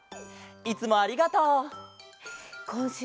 いつもありがとう！